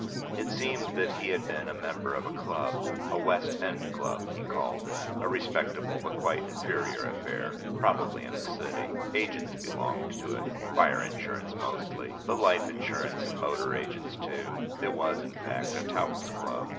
It seems that he had been a member of a club, a West end club he called it, a respectable but quite inferior affair, probably in the City: agents belonged to it, fire insurance mostly, but life insurance and motor agents too, it was in fact a touts' club.